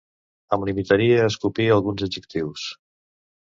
Em limitaria a escopir alguns adjectius.